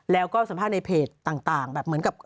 แล้วก็สัมภาษณ์ในเพจต่างแบบเหมือนกับ